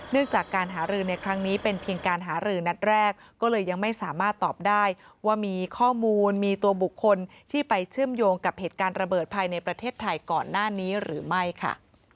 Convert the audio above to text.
จากการหารือในครั้งนี้เป็นเพียงการหารือนัดแรกก็เลยยังไม่สามารถตอบได้ว่ามีข้อมูลมีตัวบุคคลที่ไปเชื่อมโยงกับเหตุการณ์ระเบิดภายในประเทศไทยก่อนหน้านี้หรือไม่ค่ะ